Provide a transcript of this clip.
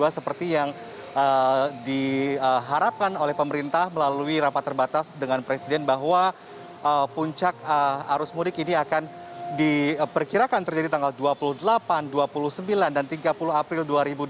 seperti yang diharapkan oleh pemerintah melalui rapat terbatas dengan presiden bahwa puncak arus mudik ini akan diperkirakan terjadi tanggal dua puluh delapan dua puluh sembilan dan tiga puluh april dua ribu dua puluh